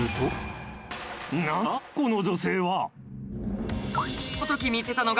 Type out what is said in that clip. この女性は。